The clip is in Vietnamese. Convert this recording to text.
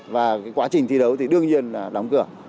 và quá trình thi đấu thì đương nhiên là đóng cửa